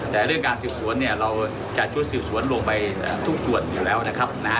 แต่เรื่องการสืบสวนเนี่ยเราจัดชุดสืบสวนลงไปทุกส่วนอยู่แล้วนะครับนะฮะ